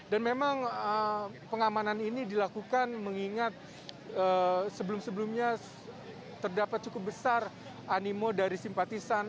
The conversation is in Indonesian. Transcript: memang pengamanan ini dilakukan mengingat sebelum sebelumnya terdapat cukup besar animo dari simpatisan